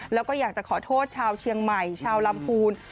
แล้วก็อยากจะขอโทษชาวเชียงใหม่ชาวลำพูน